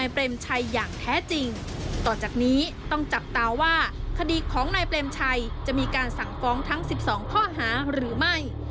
ยอมรับได้หรือไม่